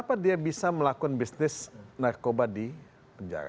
karena dia bisa melakukan bisnis narkoba di penjara